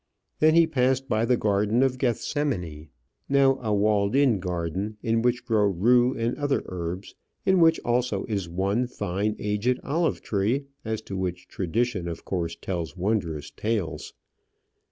Then he passed by the garden of Gethsemane, now a walled in garden, in which grow rue and other herbs; in which, also, is one fine, aged olive tree, as to which tradition of course tells wondrous tales.